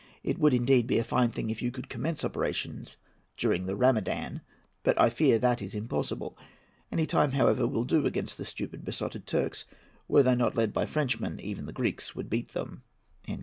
It would indeed be a fine thing if you could commence operations during the Rhamadan; but I fear that is impossible. Any time, however, will do against the stupid, besotted Turks. Were they not led by Frenchmen, even the Greeks would beat them."